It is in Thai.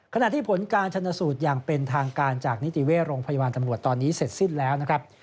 ขณะที่ผลการชนสูตรอย่างเป็นทางการจากนิติเวชโรงพยาบาลตำรวจตอนนี้เสร็จสิ้นแล้วนะครับ